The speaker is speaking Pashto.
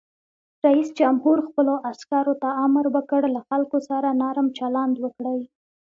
رئیس جمهور خپلو عسکرو ته امر وکړ؛ له خلکو سره نرم چلند وکړئ!